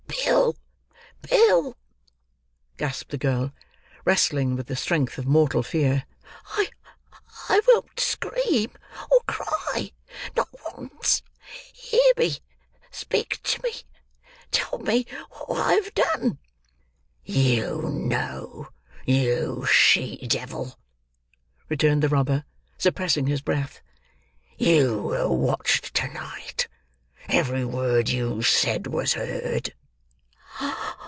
"Bill, Bill!" gasped the girl, wrestling with the strength of mortal fear,—"I—I won't scream or cry—not once—hear me—speak to me—tell me what I have done!" "You know, you she devil!" returned the robber, suppressing his breath. "You were watched to night; every word you said was heard."